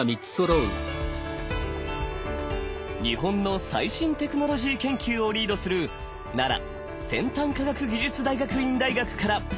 日本の最新テクノロジー研究をリードする奈良先端科学技術大学院大学から。